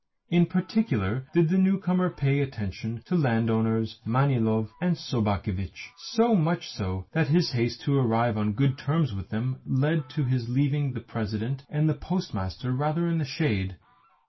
In particular did the newcomer pay attention to landowners Manilov and Sobakevitch; so much so that his haste to arrive on good terms with them led to his leaving the President and the Postmaster rather in the shade.